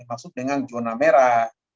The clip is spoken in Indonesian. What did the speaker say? masuk dengan zona merah